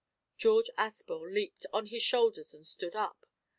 George Aspel leaped on his shoulders and stood up.